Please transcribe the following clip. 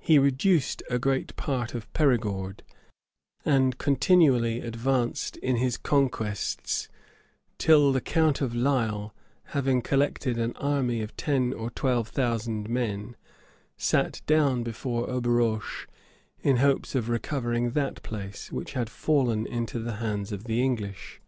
He reduced a great part of Perigord, and continually advanced in his conquests, till the count of Lisle, having collected an army of ten or twelve thousand men, sat down before Auberoche, in hopes of recovering that place, which had fallen into the hands of the English.